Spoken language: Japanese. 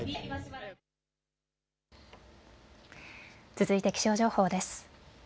続いて気象情報です。